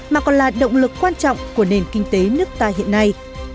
mà còn là động lực quan trọng của nền kinh tế nước ta hiện nay